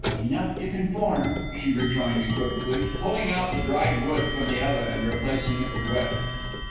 "Enough to conform," she rejoined equivocally, pulling out the dried wood from the oven and replacing it with wet.